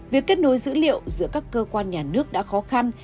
việc kết nối dữ liệu giữa các cơ quan nhà nước đã khó khăn